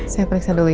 saya periksa dulu ya